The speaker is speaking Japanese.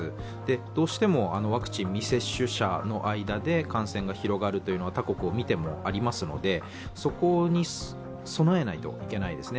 どうしてもワクチン未接種者の間で感染が広がるというのは、他国を見てもありますので、そこに備えないといけないですね。